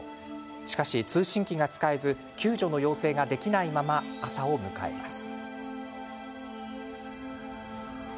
しかし、通信機が使えず救助の要請ができないまま朝を迎えます。